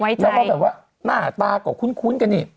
แล้วก็แบบว่าหน้าตาก็คุ้นกันนี่